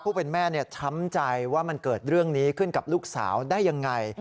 ผู้เป็นแม่ช้ำใจว่ามันเกิดเรื่องนี้ขึ้นกับลูกสาวได้ยังไง